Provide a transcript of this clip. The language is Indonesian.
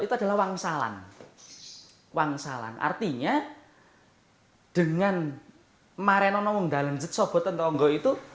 adalah wangsalang wangsalang artinya hai dengan mare nong dalenjet sobatetonggo itu